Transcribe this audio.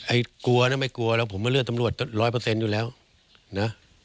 กลัวนะไม่กลัวแล้วผมมาเลือกตำรวจร้อยเปอร์เซ็นต์อยู่แล้วนะ